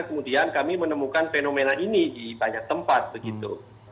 kemudian kami menemukan fenomena ini di banyak tempat begitu